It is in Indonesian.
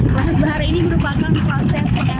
proses perarakan di jumat agung